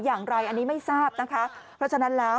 อย่างไรอันนี้ไม่ทราบนะคะเพราะฉะนั้นแล้ว